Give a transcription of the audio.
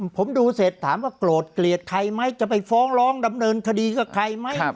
ผมดูเสร็จถามว่าโกรธเกลียดใครไหมจะไปฟ้องร้องดำเนินคดีกับใครไหม